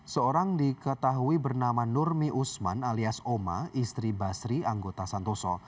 seorang diketahui bernama nurmi usman alias oma istri basri anggota santoso